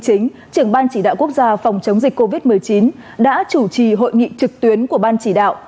chính trưởng ban chỉ đạo quốc gia phòng chống dịch covid một mươi chín đã chủ trì hội nghị trực tuyến của ban chỉ đạo